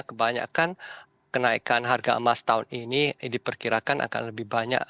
kebanyakan kenaikan harga emas tahun ini diperkirakan akan lebih banyak